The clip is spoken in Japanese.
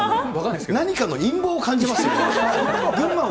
何かの陰謀を感じますよね。